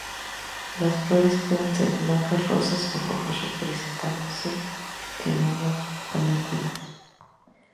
Las flores pueden ser blancas, rosas, ó rojas presentándose en unas panículas.